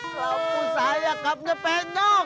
kapus saya kapnya pendok